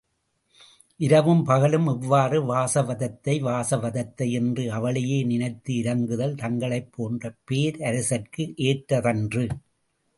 இரவும் பகலும் இவ்வாறு வாசவதத்தை வாசவதத்தை என்று அவளையே நினைத்து இரங்குதல் தங்களைப் போன்ற பேரரசர்க்கு ஏற்றதன்று!